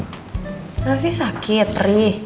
kenapa sih sakit ri